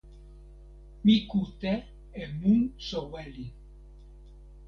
mi kute e mu soweli.